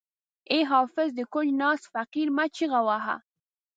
ای حافظ د کونج ناست فقیر مه چیغه وهه.